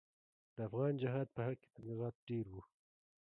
د افغان جهاد په حق کې تبلیغات ډېر وو.